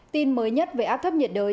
tin mới nhất về áp thấp nhiệt đới